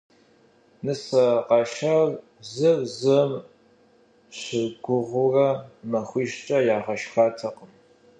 Нысэ къашар зыр зым щыгугъыурэ махуищкӏэ ягъэшхатэкъым.